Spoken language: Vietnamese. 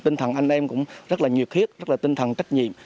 tinh thần anh em cũng rất là nhiệt huyết rất là tinh thần trách nhiệm